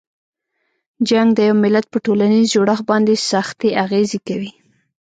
جنګ د یوه ملت په ټولنیز جوړښت باندې سختې اغیزې کوي.